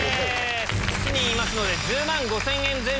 ７人いますので。